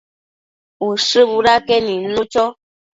Ushë budeque nidnu cho